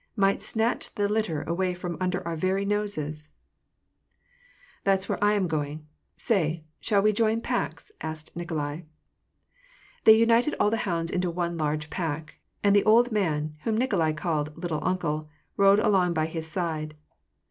— might snatch the litter away from under our very noses !" "That's where I am going. Say, shall we join packs?" asked Nikolai. They united all the hounds into one large pack, and the old man, whom Nikolai called ^^ little uncle," rode along by his side.